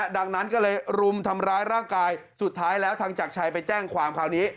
ดังนั้นก็เลยรุมทำร้ายร่างกายสุดท้ายแล้วทางจักรชัยไปแจ้งความคราวนี้